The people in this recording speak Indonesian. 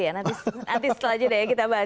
nanti setelah ini kita bahas